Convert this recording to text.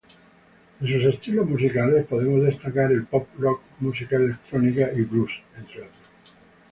En sus estilos musicales podemos destacar el pop-rock, música electrónica y blues, entre otros.